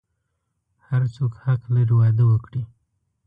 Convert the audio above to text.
هر څوک حق لری واده وکړی